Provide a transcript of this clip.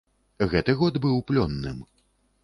Гэты год быў плённым.